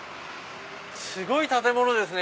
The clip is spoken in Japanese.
すごい建物ですね！